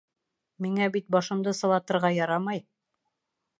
Миңә бит башымды сылатырға ярамай.